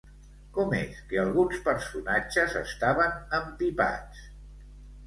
Com és que alguns personatges estaven empipats?